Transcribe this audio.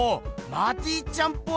マティちゃんっぽい！